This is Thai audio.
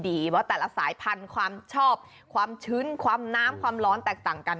ว่าแต่ละสายพันธุ์ความชอบความชื้นความน้ำความร้อนแตกต่างกัน